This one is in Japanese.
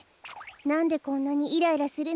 なんでこんなにイライラするのかしら。